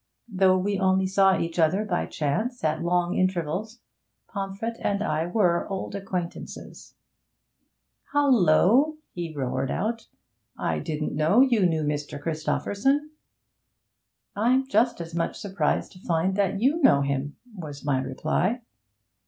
Though we only saw each other by chance at long intervals, Pomfret and I were old acquaintances. 'Hallo!' he roared out, 'I didn't know you knew Mr. Christopherson.' 'I'm just as much surprised to find that you know him!' was my reply.